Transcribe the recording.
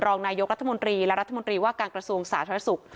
รองนายกรัฐมนตรีและรัฐมนตรีว่าการกระทรวงสาธารณสุข